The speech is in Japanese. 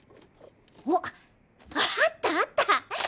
おっあったあった！